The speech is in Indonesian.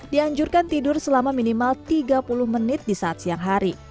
dianjurkan tidur selama minimal tiga puluh menit di saat siang hari